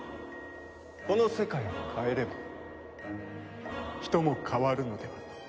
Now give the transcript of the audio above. この世界を変えれば人も変わるのではと。